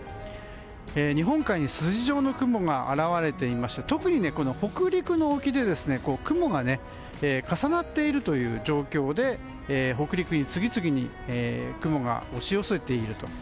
日本海に筋状の雲が現れていまして特に北陸の沖で雲が重なっている状況で北陸に次々に雲が押し寄せている。